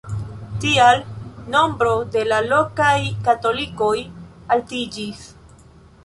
Tial nombro de la lokaj katolikoj altiĝis.